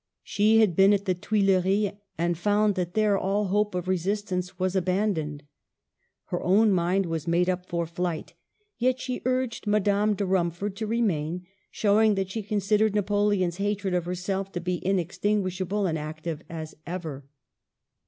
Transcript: She had been at the Tuilleries, and found that there all hope of resistance was abandoned. Her own mind was made up for flight, yet she urged Madame de Rumford to remain, showing that she considered Napoleon's hatred of herself to be inextinguisha ble and as active as ever.